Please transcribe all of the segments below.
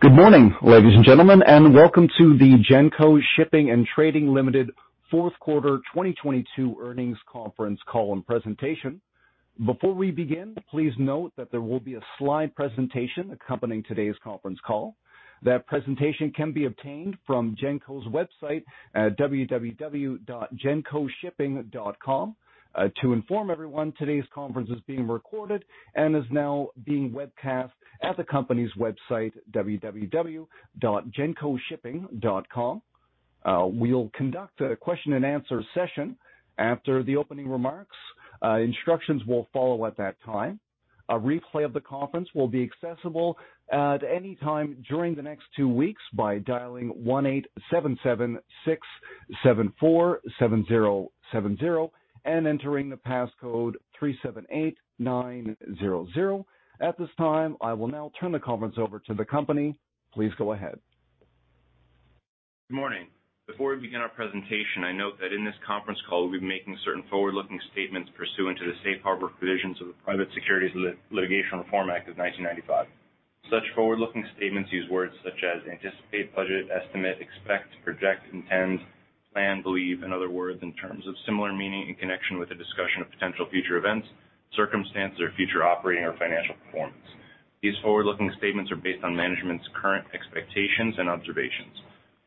Good morning, ladies and gentlemen, welcome to the Genco Shipping & Trading Limited Fourth Quarter 2022 Earnings Conference Call and Presentation. Before we begin, please note that there will be a slide presentation accompanying today's conference call. That presentation can be obtained from Genco's website at www.gencoshipping.com. To inform everyone, today's conference is being recorded and is now being webcast at the company's website, www.gencoshipping.com. We'll conduct a question-and-answer session after the opening remarks. Instructions will follow at that time. A replay of the conference will be accessible at any time during the next two weeks by dialing 1-877-674-7070 and entering the passcode 378900. At this time, I will now turn the conference over to the company. Please go ahead. Good morning. Before we begin our presentation, I note that in this conference call, we'll be making certain forward-looking statements pursuant to the Safe Harbor Provisions of the Private Securities Litigation Reform Act of 1995. Such forward-looking statements use words such as anticipate, budget, estimate, expect, project, intend, plan, believe, and other words in terms of similar meaning in connection with the discussion of potential future events, circumstances, or future operating or financial performance. These forward-looking statements are based on management's current expectations and observations.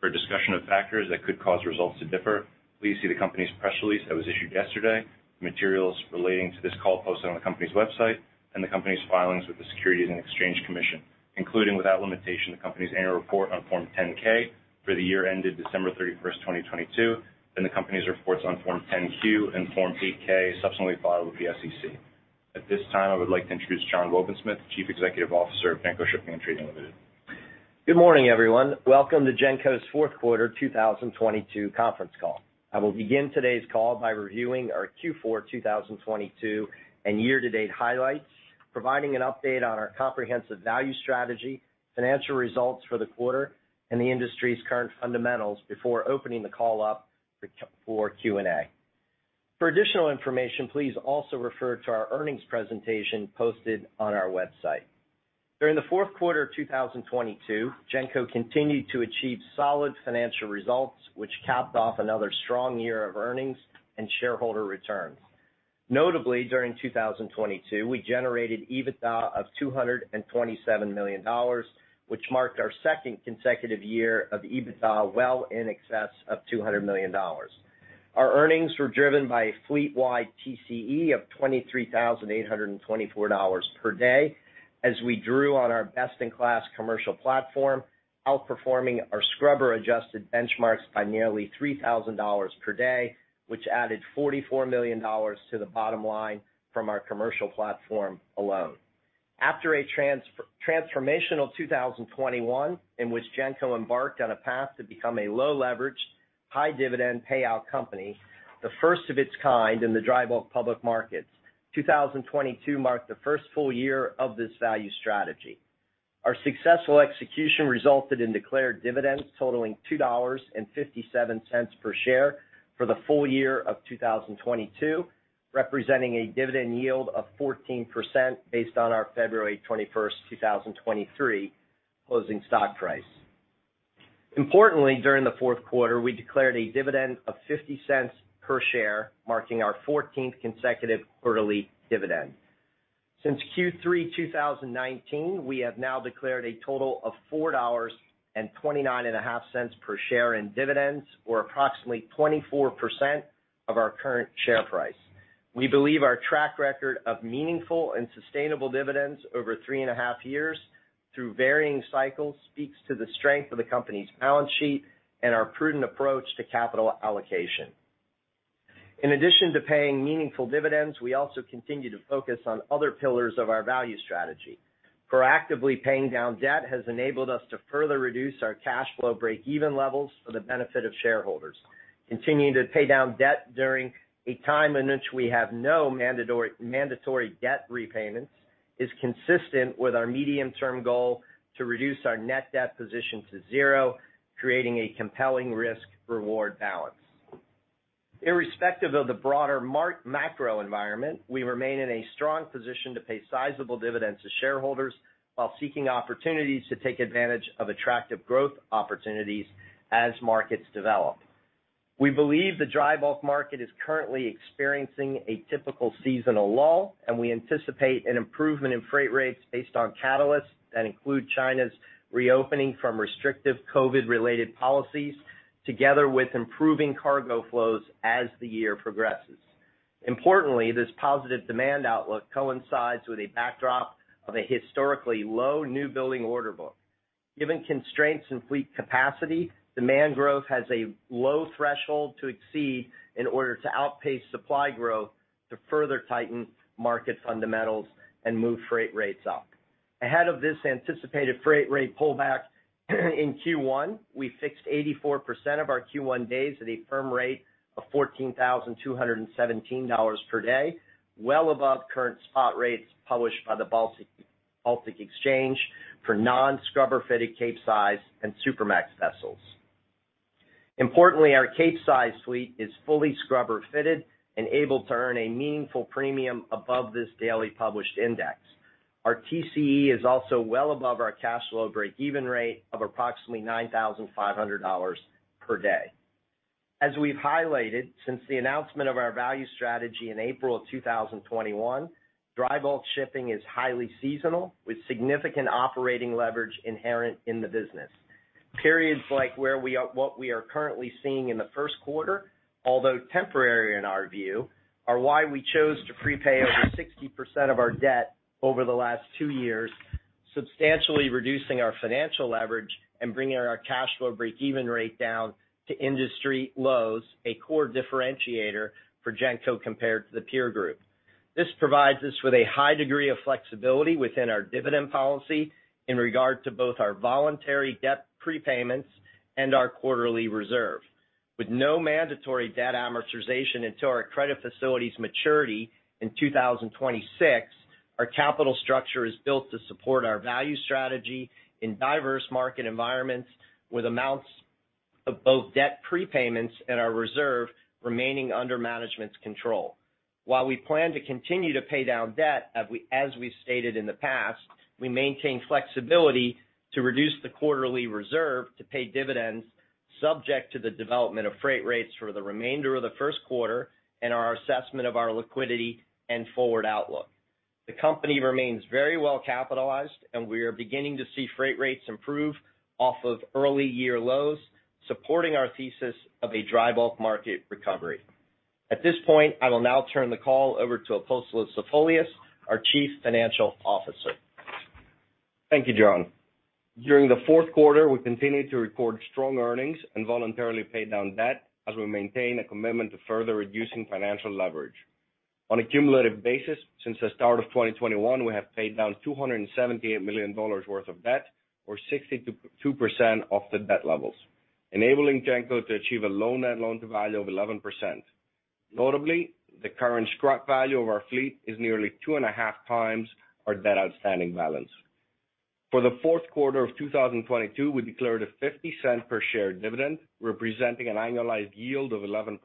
For a discussion of factors that could cause results to differ, please see the company's press release that was issued yesterday, materials relating to this call posted on the company's website, and the company's filings with the Securities and Exchange Commission, including, without limitation, the company's annual report on Form 10-K for the year ended December 31st, 2022, and the company's reports on Form 10-Q and Form 8-K subsequently filed with the SEC. At this time, I would like to introduce John C. Wobensmith, Chief Executive Officer of Genco Shipping & Trading Limited. Good morning, everyone. Welcome to Genco's fourth quarter 2022 conference call. I will begin today's call by reviewing our Q4 2022 and year-to-date highlights, providing an update on our comprehensive value strategy, financial results for the quarter, and the industry's current fundamentals before opening the call up for Q&A. For additional information, please also refer to our earnings presentation posted on our website. During the fourth quarter of 2022, Genco continued to achieve solid financial results, which capped off another strong year of earnings and shareholder returns. Notably, during 2022, we generated EBITDA of $227 million, which marked our second consecutive year of EBITDA well in excess of $200 million. Our earnings were driven by a fleet-wide TCE of $23,824 per day as we drew on our best-in-class commercial platform, outperforming our scrubber-adjusted benchmarks by nearly $3,000 per day, which added $44 million to the bottom line from our commercial platform alone. After a transformational 2021 in which Genco embarked on a path to become a low-leverage, high dividend payout company, the first of its kind in the dry bulk public markets, 2022 marked the first full year of this value strategy. Our successful execution resulted in declared dividends totaling $2.57 per share for the full year of 2022, representing a dividend yield of 14% based on our February 21, 2023 closing stock price. Importantly, during the fourth quarter, we declared a dividend of $0.50 per share, marking our 14th consecutive quarterly dividend. Since Q3 2019, we have now declared a total of $4.295 per share in dividends, or approximately 24% of our current share price. We believe our track record of meaningful and sustainable dividends over 2.5 years through varying cycles speaks to the strength of the company's balance sheet and our prudent approach to capital allocation. In addition to paying meaningful dividends, we also continue to focus on other pillars of our value strategy. Proactively paying down debt has enabled us to further reduce our cash flow break-even levels for the benefit of shareholders. Continuing to pay down debt during a time in which we have no mandatory debt repayments is consistent with our medium-term goal to reduce our net debt position to zero, creating a compelling risk-reward balance. Irrespective of the broader macro environment, we remain in a strong position to pay sizable dividends to shareholders while seeking opportunities to take advantage of attractive growth opportunities as markets develop. We believe the dry bulk market is currently experiencing a typical seasonal lull, and we anticipate an improvement in freight rates based on catalysts that include China's reopening from restrictive COVID-related policies together with improving cargo flows as the year progresses. Importantly, this positive demand outlook coincides with a backdrop of a historically low new building order book. Given constraints in fleet capacity, demand growth has a low threshold to exceed in order to outpace supply growth to further tighten market fundamentals and move freight rates up. Ahead of this anticipated freight rate pullback in Q1, we fixed 84% of our Q1 days at a firm rate of $14,217 per day, well above current spot rates published by the Baltic Exchange for non-scrubber-fitted Capesize and Supramax vessels. Importantly, our Capesize fleet is fully scrubber-fitted and able to earn a meaningful premium above this daily published index. Our TCE is also well above our cash flow breakeven rate of approximately $9,500 per day. As we've highlighted since the announcement of our value strategy in April of 2021, dry bulk shipping is highly seasonal, with significant operating leverage inherent in the business. Periods like what we are currently seeing in the first quarter, although temporary in our view, are why we chose to prepay over 60% of our debt over the last two years, substantially reducing our financial leverage and bringing our cash flow breakeven rate down to industry lows, a core differentiator for Genco compared to the peer group. This provides us with a high degree of flexibility within our dividend policy in regard to both our voluntary debt prepayments and our quarterly reserve. With no mandatory debt amortization until our credit facility's maturity in 2026, our capital structure is built to support our value strategy in diverse market environments with amounts of both debt prepayments and our reserve remaining under management's control. While we plan to continue to pay down debt as we've stated in the past, we maintain flexibility to reduce the quarterly reserve to pay dividends subject to the development of freight rates for the remainder of the first quarter and our assessment of our liquidity and forward outlook. The company remains very well-capitalized, and we are beginning to see freight rates improve off of early year lows, supporting our thesis of a drybulk market recovery. At this point, I will now turn the call over to Apostolos Zafolias, our Chief Financial Officer. Thank you, John. During the fourth quarter, we continued to record strong earnings and voluntarily pay down debt as we maintain a commitment to further reducing financial leverage. On a cumulative basis, since the start of 2021, we have paid down $278 million worth of debt or 62% of the debt levels, enabling Genco to achieve a loan and loan-to-value of 11%. Notably, the current scrap value of our fleet is nearly 2.5x our debt outstanding balance. For the fourth quarter of 2022, we declared a $0.50 per share dividend, representing an annualized yield of 11%.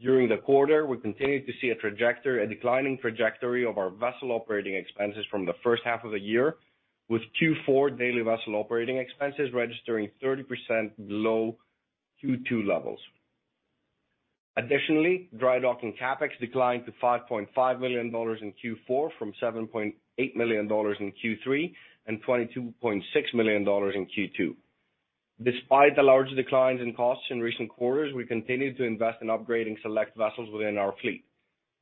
During the quarter, we continued to see a declining trajectory of our vessel operating expenses from the first half of the year, with Q4 daily vessel operating expenses registering 30% below Q2 levels. Drydock and CapEx declined to $5.5 million in Q4 from $7.8 million in Q3 and $22.6 million in Q2. Despite the large declines in costs in recent quarters, we continued to invest in upgrading select vessels within our fleet.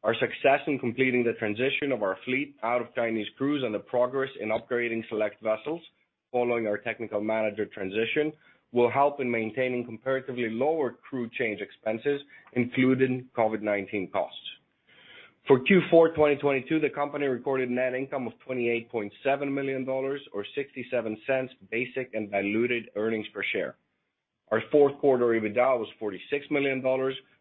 Our success in completing the transition of our fleet out of Chinese crews and the progress in upgrading select vessels following our technical manager transition will help in maintaining comparatively lower crew change expenses, including COVID-19 costs. For Q4 2022, the company recorded net income of $28.7 million or $0.67 basic and diluted earnings per share. Our fourth quarter EBITDA was $46 million,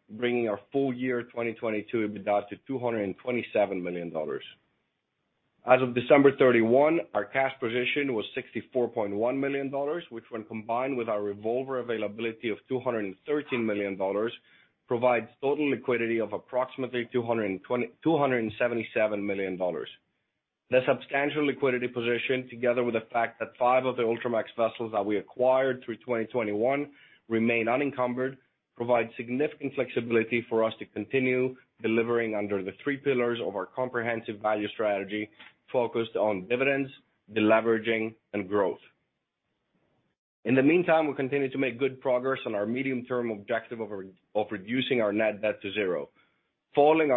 bringing our full year 2022 EBITDA to $227 million. As of December 31, our cash position was $64.1 million, which when combined with our revolver availability of $213 million, provides total liquidity of approximately $277 million. The substantial liquidity position, together with the fact that five of the Ultramax vessels that we acquired through 2021 remain unencumbered, provide significant flexibility for us to continue delivering under the three pillars of our comprehensive value strategy focused on dividends, deleveraging, and growth. In the meantime, we continue to make good progress on our medium-term objective of reducing our net debt to 0. Following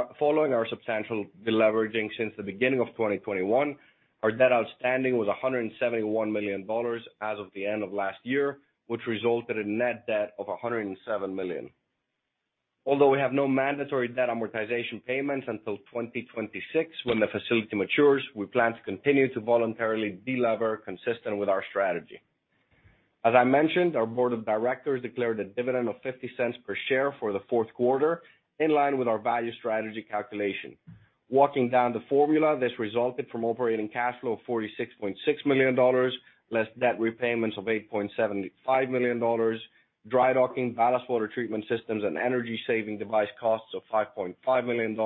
our substantial deleveraging since the beginning of 2021, our debt outstanding was $171 million as of the end of last year, which resulted in net debt of $107 million. Although we have no mandatory debt amortization payments until 2026 when the facility matures, we plan to continue to voluntarily de-lever consistent with our strategy. As I mentioned, our board of directors declared a dividend of $0.50 per share for the fourth quarter, in line with our value strategy calculation. Walking down the formula, this resulted from operating cash flow of $46.6 million, less debt repayments of $8.75 million, dry docking, ballast water treatment systems, and Energy Saving Device costs of $5.5 million,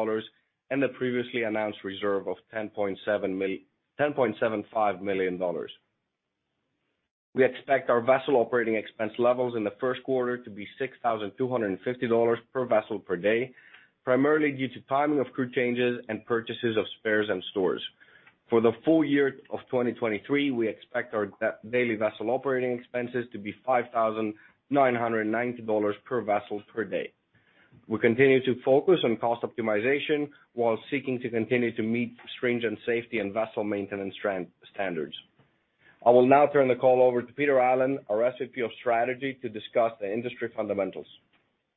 and the previously announced reserve of $10.75 million. We expect our vessel operating expense levels in the first quarter to be $6,250 per vessel per day, primarily due to timing of crew changes and purchases of spares and stores. For the full year of 2023, we expect our daily vessel operating expenses to be $5,990 per vessel per day. We continue to focus on cost optimization while seeking to continue to meet stringent safety and vessel maintenance standards. I will now turn the call over to Peter Allen, our SVP of Strategy, to discuss the industry fundamentals.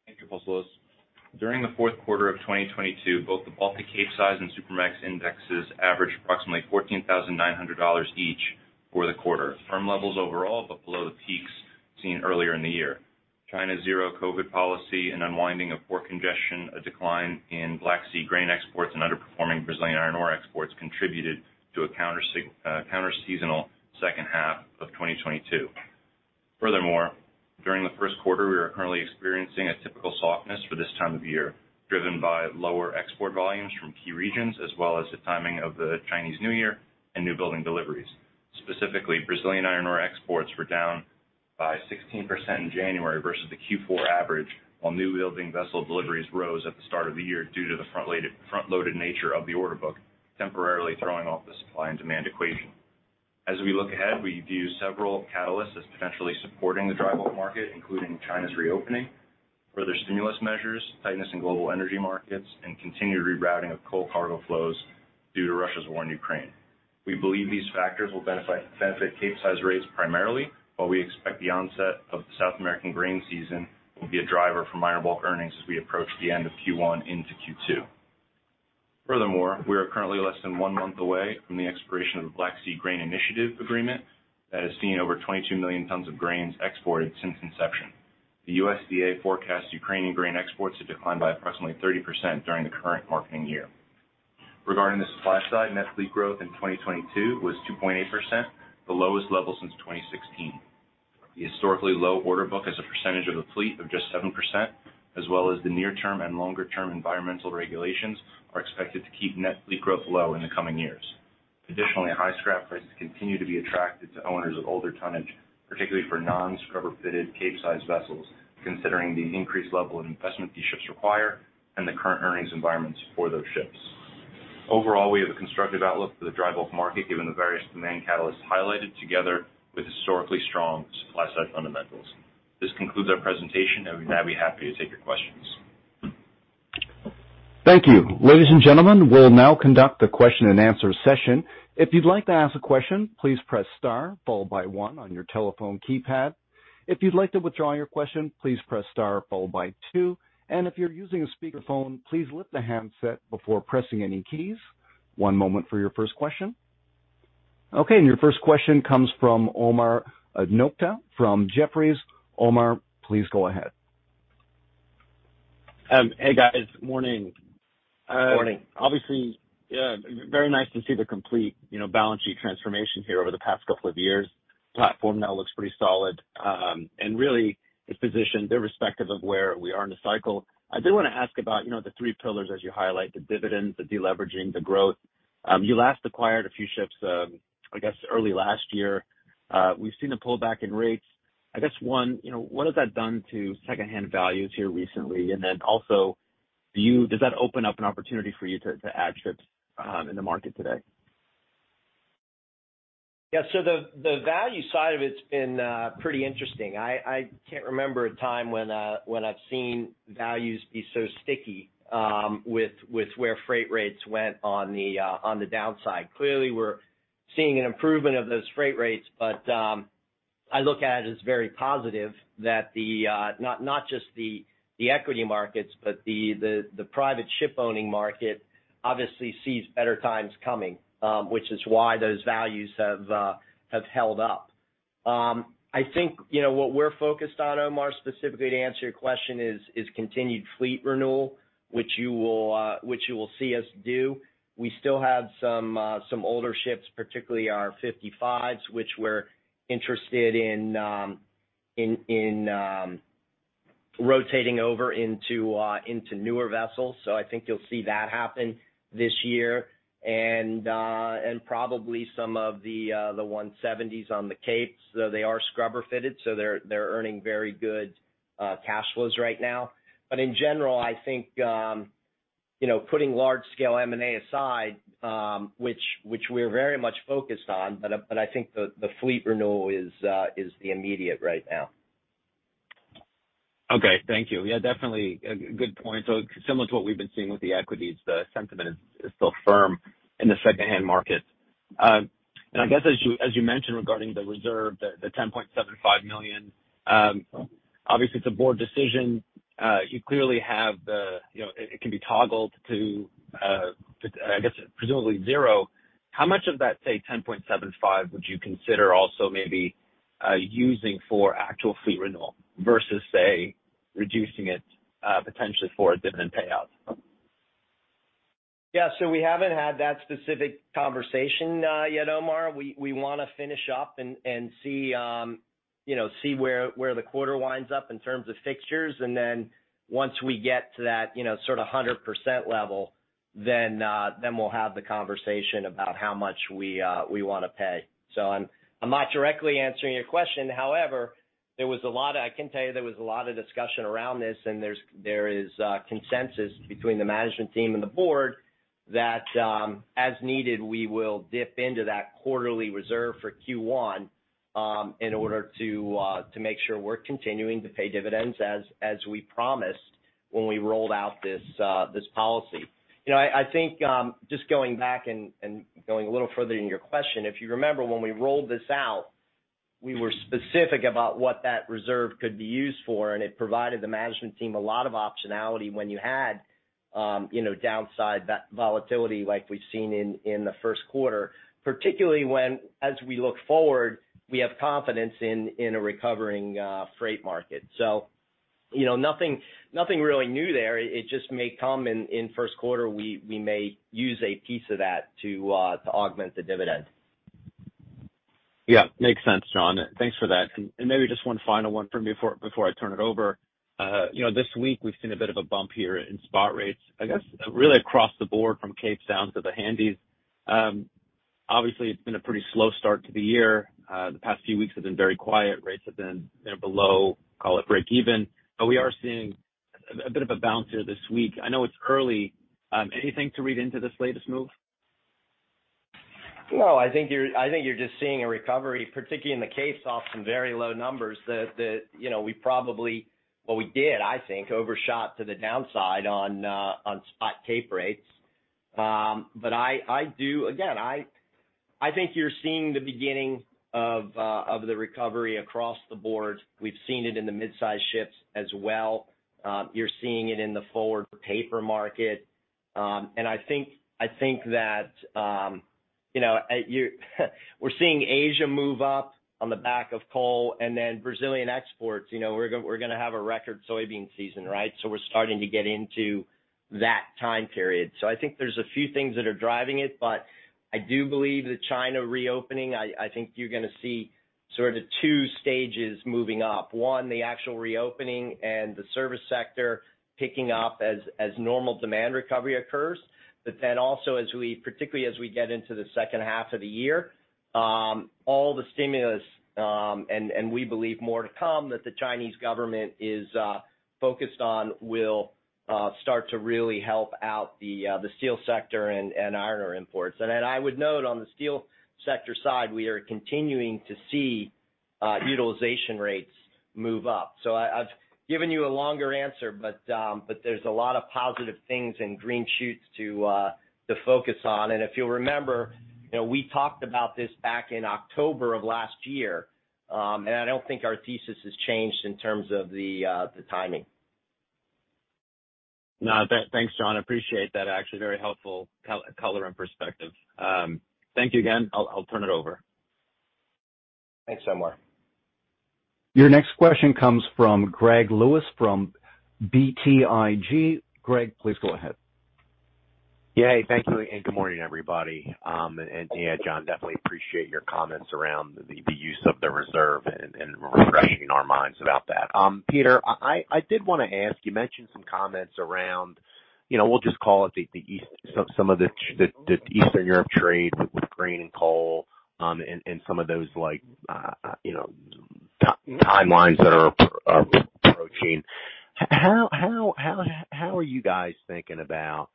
Thank you, Apostolos Zafolias. During the fourth quarter of 2022, both the Baltic Capesize and Supramax indexes averaged approximately $14,900 each for the quarter. Firm levels overall, but below the peaks seen earlier in the year. China's zero COVID policy and unwinding of port congestion, a decline in Black Sea grain exports, and underperforming Brazilian iron ore exports contributed to a counter-seasonal second half of 2022. Furthermore, during the first quarter, we are currently experiencing a typical softness for this time of year, driven by lower export volumes from key regions, as well as the timing of the Chinese New Year and new building deliveries. Specifically, Brazilian iron ore exports were down by 16% in January versus the Q4 average, while new building vessel deliveries rose at the start of the year due to the front-loaded nature of the order book, temporarily throwing off the supply and demand equation. We look ahead, we view several catalysts as potentially supporting the dry bulk market, including China's reopening, further stimulus measures, tightness in global energy markets, and continued rerouting of coal cargo flows due to Russia's war in Ukraine. We believe these factors will benefit Capesize rates primarily, while we expect the onset of the South American grain season will be a driver for minor bulk earnings as we approach the end of Q1 into Q2. Furthermore, we are currently less than one month away from the expiration of the Black Sea Grain Initiative agreement that has seen over 22 million tons of grains exported since inception. The USDA forecasts Ukrainian grain exports to decline by approximately 30% during the current marketing year. Regarding the supply side, net fleet growth in 2022 was 2.8%, the lowest level since 2016. The historically low order book as a percentage of the fleet of just 7%, as well as the near-term and longer-term environmental regulations are expected to keep net fleet growth low in the coming years. Additionally, high scrap prices continue to be attractive to owners of older tonnage, particularly for non-scrubber-fitted Capesize vessels, considering the increased level of investment these ships require and the current earnings environments for those ships. Overall, we have a constructive outlook for the dry bulk market given the various demand catalysts highlighted together with historically strong supply side fundamentals. This concludes our presentation, and we'd now be happy to take your questions. Thank you. Ladies and gentlemen, we'll now conduct the question-and-answer session. If you'd like to ask a question, please press star followed by one on your telephone keypad. If you'd like to withdraw your question, please press star followed by two. If you're using a speakerphone, please lift the handset before pressing any keys. One moment for your first question. Your first question comes from Omar Nokta from Jefferies. Omar, please go ahead. Hey, guys. Morning. Morning. Obviously, yeah, very nice to see the complete, you know, balance sheet transformation here over the past couple of years. Platform now looks pretty solid, and really is positioned irrespective of where we are in the cycle. I do wanna ask about, you know, the three pillars as you highlight, the dividends, the deleveraging, the growth. You last acquired a few ships, I guess, early last year. We've seen a pullback in rates. I guess, one, you know, what has that done to secondhand values here recently? Then also, does that open up an opportunity for you to add ships in the market today? The value side of it's been pretty interesting. I can't remember a time when I've seen values be so sticky with where freight rates went on the downside. Clearly, we're seeing an improvement of those freight rates. I look at it as very positive that the not just the equity markets, but the private ship owning market obviously sees better times coming, which is why those values have held up. I think, you know, what we're focused on, Omar, specifically to answer your question, is continued fleet renewal, which you will see us do. We still have some older ships, particularly our 55s, which we're interested in rotating over into newer vessels. I think you'll see that happen this year and probably some of the 170s on the Capes. Though they are scrubber-fitted, so they're earning very good cash flows right now. In general, I think, you know, putting large scale M&A aside, which we're very much focused on, but I think the fleet renewal is the immediate right now. Okay. Thank you. Yeah, definitely a good point. Similar to what we've been seeing with the equities, the sentiment is still firm in the secondhand market. I guess as you mentioned regarding the reserve, the $10.75 million, obviously it's a board decision. You clearly have the, you know, it can be toggled to I guess, presumably 0. How much of that, say, $10.75 would you consider also maybe using for actual fleet renewal versus, say, reducing it potentially for a dividend payout? Yeah. We haven't had that specific conversation yet, Omar. We wanna finish up and see, you know, see where the quarter winds up in terms of fixtures. Then once we get to that, you know, sort of a 100% level, then we'll have the conversation about how much we wanna pay. I'm not directly answering your question. However, there was a lot of discussion around this, and there is consensus between the management team and the board that, as needed, we will dip into that quarterly reserve for Q1 in order to make sure we're continuing to pay dividends as we promised when we rolled out this policy. You know, I think, just going back and going a little further in your question, if you remember when we rolled this out, we were specific about what that reserve could be used for, and it provided the management team a lot of optionality when you had, you know, downside volatility like we've seen in the first quarter. Particularly when, as we look forward, we have confidence in a recovering freight market. You know, nothing really new there. It just may come in first quarter, we may use a piece of that to augment the dividend. Yeah, makes sense, John. Thanks for that. Maybe just one final one from me before I turn it over. You know, this week we've seen a bit of a bump here in spot rates, I guess, really across the board from Capes down to the Handysize. Obviously it's been a pretty slow start to the year. The past few weeks have been very quiet. Rates have been, you know, below, call it, breakeven. We are seeing a bit of a bounce here this week. I know it's early. Anything to read into this latest move? I think you're just seeing a recovery, particularly in the Capes, off some very low numbers that, you know, what we did, I think, overshot to the downside on spot Cape rates. I do again, I think you're seeing the beginning of the recovery across the board. We've seen it in the mid-size ships as well. You're seeing it in the forward paper market. I think that, you know, we're seeing Asia move up on the back of coal and then Brazilian exports, you know, we're gonna have a record soybean season, right? We're starting to get into that time period. I think there's a few things that are driving it. I do believe that China reopening, I think you're gonna see sort of two stages moving up. One, the actual reopening and the service sector picking up as normal demand recovery occurs. Then also as we, particularly as we get into the second half of the year, all the stimulus, and we believe more to come that the Chinese government is focused on will start to really help out the steel sector and iron ore imports. I would note on the steel sector side, we are continuing to see utilization rates move up. I've given you a longer answer, but there's a lot of positive things and green shoots to focus on. If you'll remember, you know, we talked about this back in October of last year, and I don't think our thesis has changed in terms of the timing. No, thanks, John. I appreciate that. Actually, very helpful color and perspective. Thank you again. I'll turn it over. Thanks so much. Your next question comes from Greg Lewis from BTIG. Greg, please go ahead. Yay. Thank you, good morning, everybody. Yeah, John, definitely appreciate your comments around the use of the reserve and refreshing our minds about that. Peter, I did wanna ask, you mentioned some comments around, you know, we'll just call it the Eastern Europe trades with grain and coal, and some of those like, you know, timelines that are approaching. How are you guys thinking about,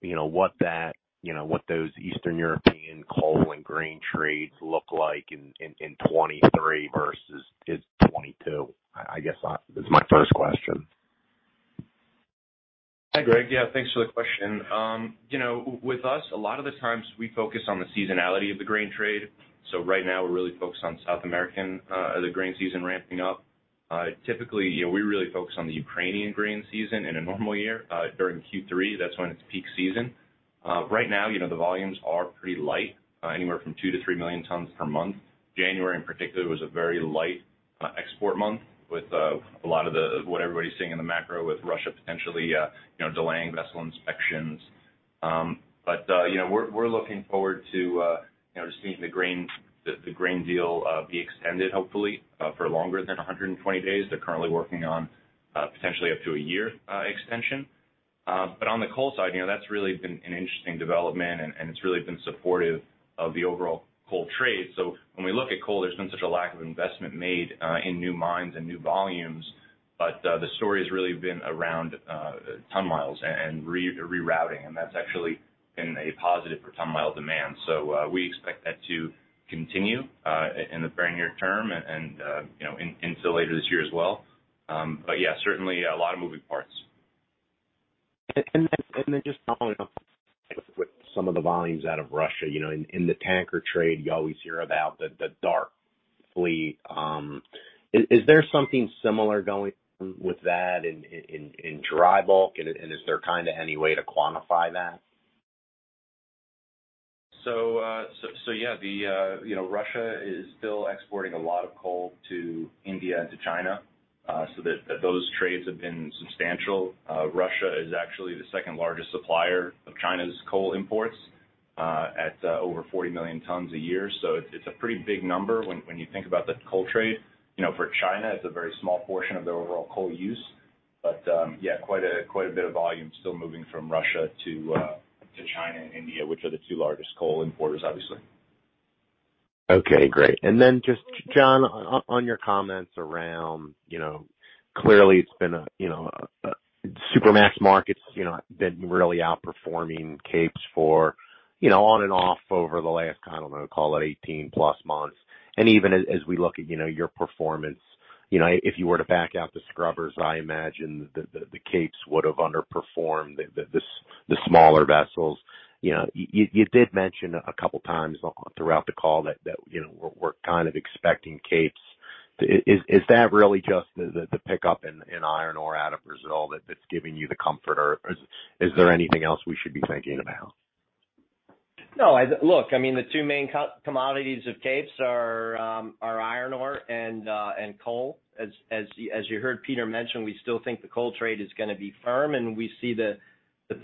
you know, what that, you know, what those Eastern European coal and grain trades look like in 2023 versus, just 2022? I guess that is my first question. Hi, Greg. Yeah, thanks for the question. You know, with us, a lot of the times we focus on the seasonality of the grain trade. Right now we're really focused on South American, the grain season ramping up. Typically, you know, we really focus on the Ukrainian grain season in a normal year, during Q3, that's when it's peak season. Right now, you know, the volumes are pretty light, anywhere from 2-3 million tons per month. January in particular was a very light export month with a lot of the, what everybody's seeing in the macro with Russia potentially, you know, delaying vessel inspections. You know, we're looking forward to, you know, just seeing the grain, the grain deal be extended hopefully, for longer than 120 days. They're currently working on potentially up to a year extension. On the coal side, you know, that's really been an interesting development and it's really been supportive of the overall coal trade. When we look at coal, there's been such a lack of investment made in new mines and new volumes. The story has really been around ton-miles and re-rerouting, and that's actually been a positive for ton-mile demand. We expect that to continue in the very near term and, you know, until later this year as well. Certainly a lot of moving parts. Just following up with some of the volumes out of Russia, you know, in the tanker trade, you always hear about the dark fleet. Is there something similar going with that in dry bulk? Is there kind of any way to quantify that? Yeah, the, you know, Russia is still exporting a lot of coal to India and to China, so those trades have been substantial. Russia is actually the second-largest supplier of China's coal imports, at over 40 million tons a year. It's a pretty big number when you think about the coal trade. You know, for China, it's a very small portion of their overall coal use. Yeah, quite a bit of volume still moving from Russia to China and India, which are the two2 largest coal importers, obviously. Okay, great. Just John, on your comments around, you know, clearly it's been a, you know, a Supramax markets, you know, been really outperforming Capes for, you know, on and off over the last, I don't know, call it 18+ months. Even as we look at, you know, your performance, you know, if you were to back out the scrubbers, I imagine the Capes would have underperformed the smaller vessels. You know, you did mention a couple times throughout the call that, you know, we're kind of expecting Capes. Is, is that really just the pickup in iron ore out of Brazil that's giving you the comfort, or is there anything else we should be thinking about? No, I, look, I mean, the two main co-commodities of Capes are iron ore and coal. As you heard Peter mention, we still think the coal trade is gonna be firm, and we see the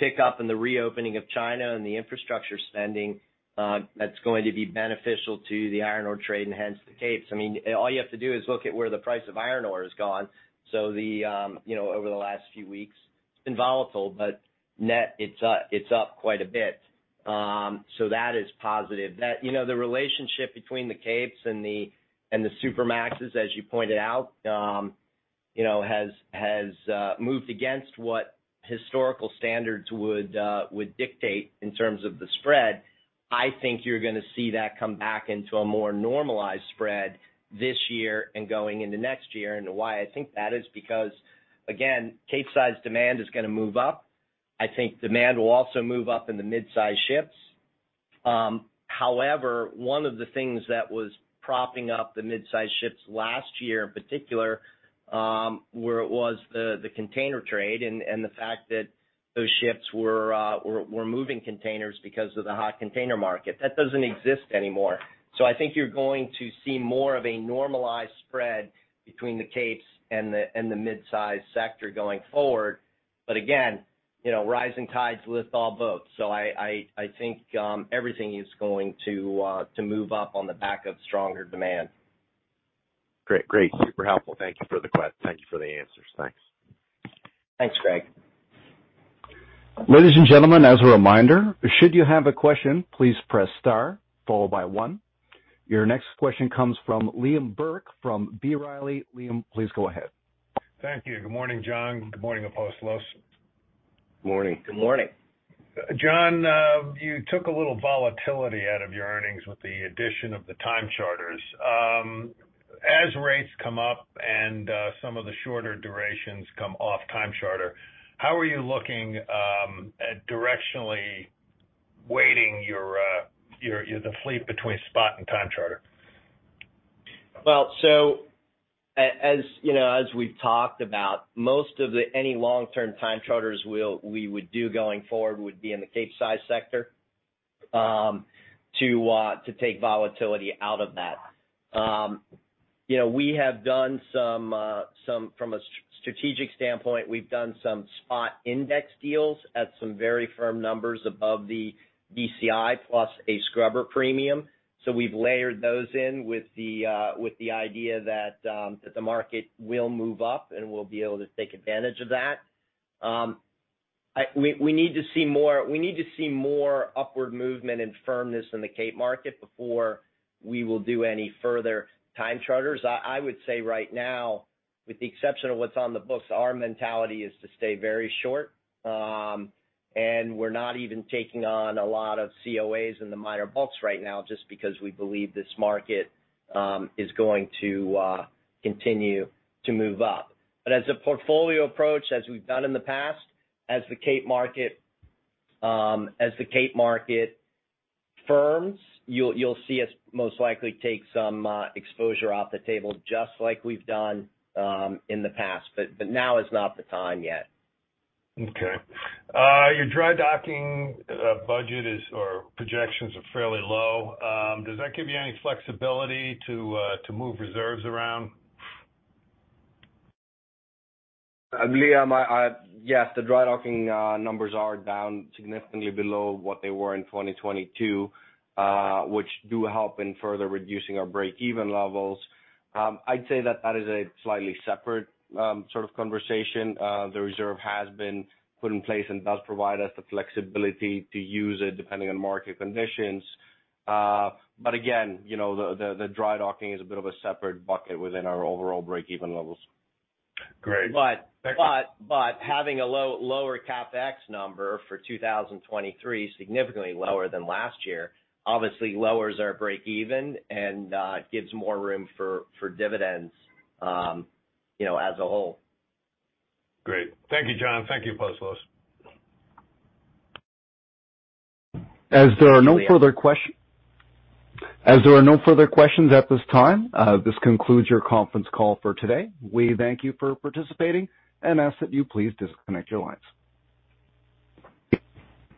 pickup and the reopening of China and the infrastructure spending, that's going to be beneficial to the iron ore trade and hence the Capes. I mean, all you have to do is look at where the price of iron ore has gone. The, you know, over the last few weeks, it's been volatile, but net, it's up quite a bit. That is positive. you know, the relationship between the Capes and the, and the Supramaxes, as you pointed out, you know, has moved against what historical standards would dictate in terms of the spread. I think you're gonna see that come back into a more normalized spread this year and going into next year. Why I think that is because, again, Capesize demand is gonna move up. I think demand will also move up in the mid-size ships. However, one of the things that was propping up the mid-size ships last year, in particular, where it was the container trade and the fact that those ships were moving containers because of the hot container market. That doesn't exist anymore. I think you're going to see more of a normalized spread between the Capes and the, and the mid-size sector going forward. Again, you know, rising tides lift all boats. I think everything is going to move up on the back of stronger demand. Great. Super helpful. Thank you for the answers. Thanks. Thanks, Greg. Ladies and gentlemen, as a reminder, should you have a question, please press star followed by one. Your next question comes from Liam Burke from B. Riley. Liam, please go ahead. Thank you. Good morning, John. Good morning, Apostolos. Morning. Good morning. John, you took a little volatility out of your earnings with the addition of the time charters. As rates come up and some of the shorter durations come off time charter, how are you looking at directionally weighting your fleet between spot and time charter? As you know, as we've talked about, most of any long-term time charters we would do going forward would be in the Capesize sector, to take volatility out of that. You know, we have done some from a strategic standpoint, we've done some spot index deals at some very firm numbers above the DCI plus a scrubber premium. We've layered those in with the idea that the market will move up, and we'll be able to take advantage of that. We need to see more upward movement and firmness in the Cape market before we will do any further time charters. I would say right now, with the exception of what's on the books, our mentality is to stay very short. We're not even taking on a lot of COAs in the minor bulks right now just because we believe this market is going to continue to move up. As a portfolio approach, as we've done in the past, as the Cape market firms, you'll see us most likely take some exposure off the table just like we've done in the past. Now is not the time yet. Your dry docking budget is, or projections are fairly low. Does that give you any flexibility to move reserves around? Liam, yes, the dry docking numbers are down significantly below what they were in 2022, which do help in further reducing our break-even levels. I'd say that that is a slightly separate sort of conversation. The reserve has been put in place and does provide us the flexibility to use it depending on market conditions. Again, you know, the dry docking is a bit of a separate bucket within our overall break-even levels. Great. Having a low, lower CapEx number for 2023, significantly lower than last year, obviously lowers our break even and gives more room for dividends, you know, as a whole. Great. Thank you, John. Thank you, Apostolos. As there are no further. Thank you. As there are no further questions at this time, this concludes your conference call for today. We thank you for participating and ask that you please disconnect your lines.